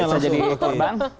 oke bisa jadi korban